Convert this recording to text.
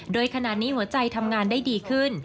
โดยขณะนี้หัวใจทำงานได้ดีขึ้น